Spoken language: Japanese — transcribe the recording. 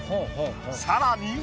さらに。